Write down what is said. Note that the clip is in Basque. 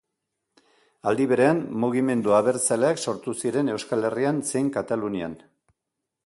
Aldi berean, mugimendu abertzaleak sortu ziren Euskal Herrian zein Katalunian.